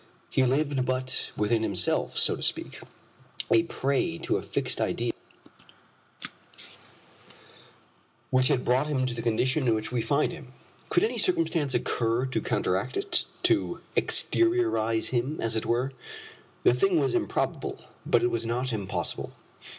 He lived but within himself, so to speak, a prey to a fixed idea which had brought him to the condition in which we find him. Could any circumstance occur to counteract it to "exteriorize" him, as it were? The thing was improbable, but it was not impossible.